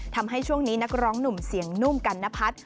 ทำให้ช่วงนี้นักร้องหนุ่มเสียงนุ่มกันนพัฒน์